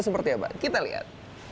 seperti apa kita lihat